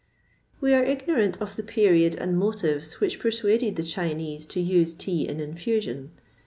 We are ignorant of the period and motives which persuaded the Chinese to use tea in infusion.